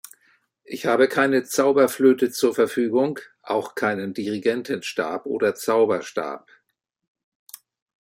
Ich habe keine Zauberflöte zur Verfügung, auch keinen Dirigentenstab oder Zauberstab.